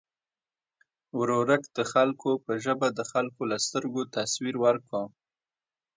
ورورک د خلکو په ژبه د خلکو له سترګو تصویر ورکړ.